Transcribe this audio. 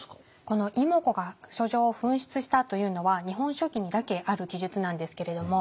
この妹子が書状を紛失したというのは「日本書紀」にだけある記述なんですけれども。